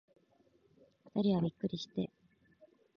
二人はびっくりして、互に寄り添って、